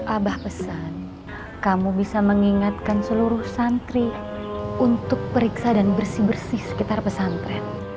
abah pesan kamu bisa mengingatkan seluruh santri untuk periksa dan bersih bersih sekitar pesantren